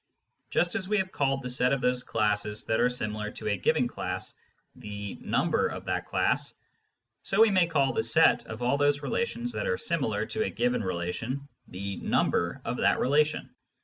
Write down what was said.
Just as we called the set of those classes that are similar to a given class the " number " of that class, so we may call the set of all those relations that are similar to a given relation the " number " of that relation.